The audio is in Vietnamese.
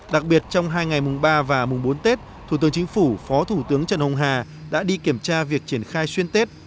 đặc biệt trong hai ngày mùng ba và mùng bốn tết thủ tướng chính phủ phó thủ tướng trần hồng hà đã đi kiểm tra việc triển khai xuyên tết